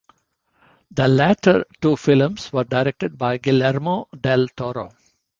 The latter two films were directed by Guillermo Del Toro.